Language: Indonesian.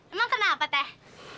emang kenapa teh